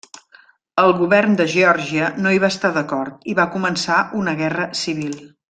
El govern de Geòrgia no hi va estar d'acord i va començar una guerra civil.